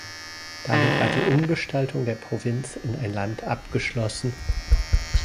Damit war die Umgestaltung der Provinz in ein Land abgeschlossen.